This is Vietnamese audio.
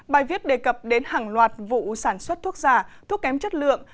bài viết đề cập đến hàng loạt vụ sản xuất thuốc giả thuốc kém chất lượng